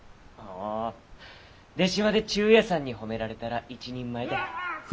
ああ出島で忠弥さんに褒められたら一人前たい。